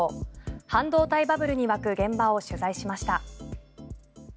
半導体バブルに沸く現場を取材しました。